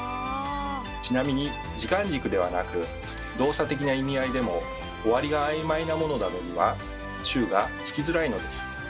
ちなみに時間軸ではなく動作的な意味合いでも終わりがあいまいなものなどには「中」がつきづらいのです。